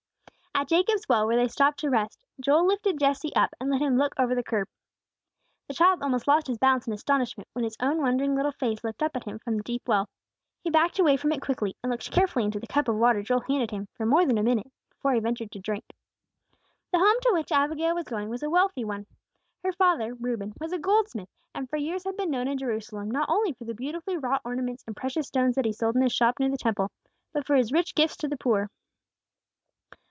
At Jacob's well, where they stopped to rest, Joel lifted Jesse up, and let him look over the curb. The child almost lost his balance in astonishment, when his own wondering little face looked up at him from the deep well. He backed away from it quickly, and looked carefully into the cup of water Joel handed him, for more than a minute, before he ventured to drink. The home to which Abigail was going was a wealthy one. Her father, Reuben, was a goldsmith, and for years had been known in Jerusalem not only for the beautifully wrought ornaments and precious stones that he sold in his shop near the Temple, but for his rich gifts to the poor.